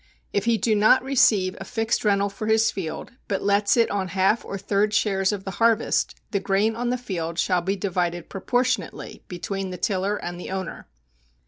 If he do not receive a fixed rental for his field, but lets it on half or third shares of the harvest, the grain on the field shall be divided proportionately between the tiller and the owner.